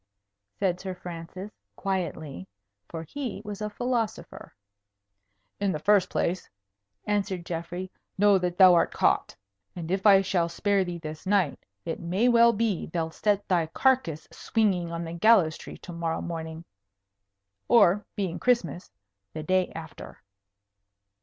said Sir Francis, quietly. For he was a philosopher. "In the first place," answered Geoffrey, "know that thou art caught. And if I shall spare thee this night, it may well be they'll set thy carcase swinging on the gallows tree to morrow morning, or, being Christmas, the day after."